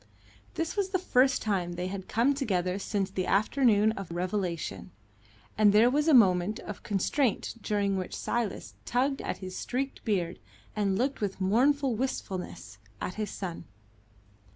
This was the first time they had come together since the afternoon of revelation, and there was a moment of constraint during which Silas tugged at his streaked beard and looked with mournful wistfulness at his son.